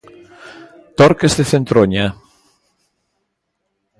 Torques de Centroña.